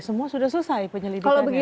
semua sudah selesai penyelidikannya